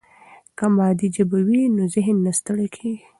که مادي ژبه وي نو ذهن نه ستړی کېږي.